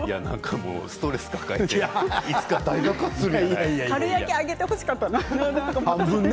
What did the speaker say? ストレスを抱えていつか大爆発する。